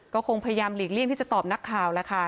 ก็คงพยายามหลีกเลี่ยงที่จะตอบนักข่าวแล้วค่ะ